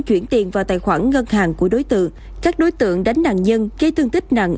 chuyển tiền vào tài khoản ngân hàng của đối tượng các đối tượng đánh nạn nhân gây thương tích nặng